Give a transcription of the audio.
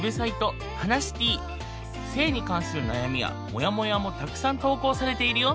性に関する悩みやモヤモヤもたくさん投稿されているよ。